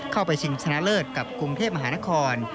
ชิงชนะเลิศกับกรุงเทพมหานคร